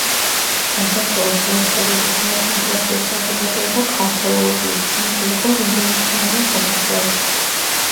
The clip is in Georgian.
საქართველოს საისტორიო და საეთნოგრაფიო საზოგადოება ქართველოლოგიის ცენტრი იყო რევოლუციამდელ საქართველოში.